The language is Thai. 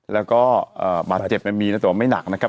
แล้วก็บาดเจ็บมีนะแต่ว่าไม่หนักนะครับ